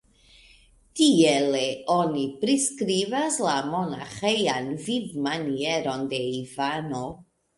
Tiele oni priskribas la monaĥejan vivmanieron de Ivano.